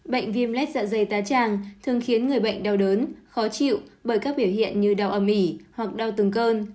bệnh viêm lết dạ dày tá tràng thường khiến người bệnh đau đớn khó chịu bởi các biểu hiện như đau âm ỉ hoặc đau từng cơn